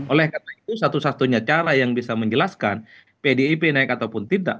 oleh karena itu satu satunya cara yang bisa menjelaskan pdip naik ataupun tidak